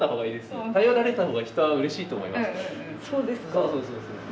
そうそうそうそう。